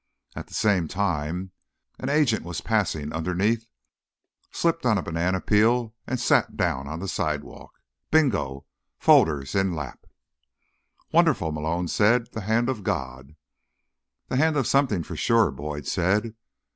At the same time, an agent was passing underneath, slipped on a banana peel and sat down on the sidewalk. Bingo, folders in lap." "Wonderful," Malone said. "The hand of God." "The hand of something, for sure," Boyd said.